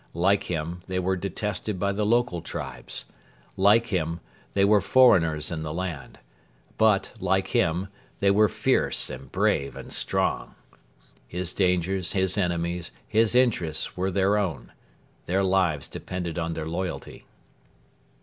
Like him, they were detested by the local tribes. Like him, they were foreigners in the land. But, like him, they were fierce and brave and strong. His dangers, his enemies, his interests were their own. Their lives depended on their loyalty.